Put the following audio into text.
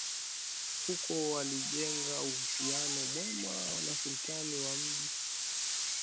Huko walijenga uhusiano mwema na sultani wa mji wakawaona Wahindi wa mwanzo